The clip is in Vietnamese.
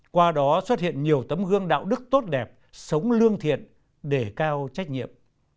qua đó xuất hiện nhiều tấm gương đạo đức tốt đẹp sống lương thiện để cao trách nhiệm